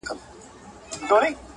په همدغه طريقه باندې چلېږم